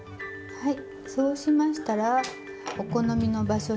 はい。